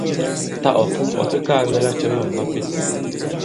Tâ ɔ̀ fom ɔ̀ fe kaā mɛ lacɛ mâm ma pên.